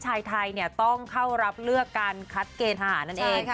ชายไทยเนี้ยต้องเข้ารับเลือกการคัดเกณฑ์อาหารนั้นเองใช่ค่ะ